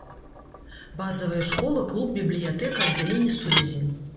Базавая школа, клуб, бібліятэка, аддзяленне сувязі.